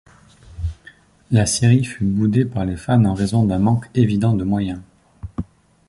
La série fut boudée par les fans en raison d'un manque évident de moyens.